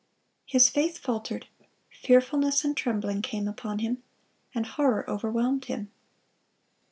His faith faltered; fearfulness and trembling came upon him, and horror overwhelmed him.